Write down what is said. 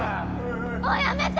もうやめて！